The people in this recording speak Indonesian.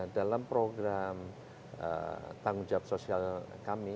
dalam program tanggung jawab sosial kami